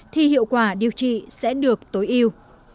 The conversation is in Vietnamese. thì hiệu quả điều trị sẽ được tối ưu